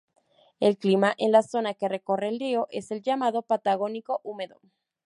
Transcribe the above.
El clima en la zona que recorre el río es el llamado Patagónico húmedo.